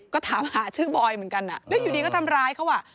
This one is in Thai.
ก็ถามหาชื่อบอยเหมือนกันแล้วอยู่ดีก็ทำร้ายเขาอ่ะ